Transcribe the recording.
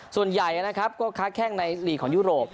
ส่วนใหญ่นะครับก็ค้าแข้งในลีกของยุโรป